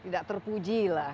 tidak terpuji lah